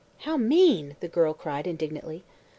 "How mean!" the girl cried indignantly.